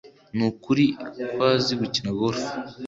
Nukuri ko azi gukina golf.